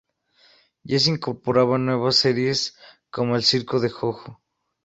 Ya se incorporaban nuevas series, como El circo de JoJo.